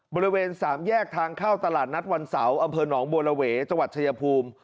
บริเวณสามแยกทางเข้าตลาดนัดวันเสาร์อำเภอหนองบัวระเวจังหวัดชายภูมิ